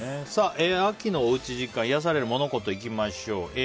秋のおうち時間いやされるモノ・コトいきましょう。